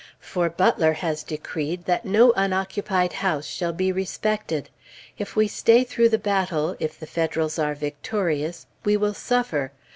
For Butler has decreed that no unoccupied house shall be respected. If we stay through the battle, if the Federals are victorious, we will suffer.